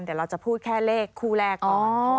เดี๋ยวเราจะพูดแค่เลขคู่แรกก่อน